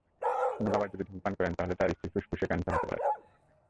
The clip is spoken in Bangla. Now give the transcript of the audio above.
কোনো বাবা যদি ধূমপান করেন, তাহলে তাঁর স্ত্রীর ফুসফুসে ক্যানসার হতে পারে।